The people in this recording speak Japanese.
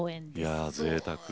いやぜいたく。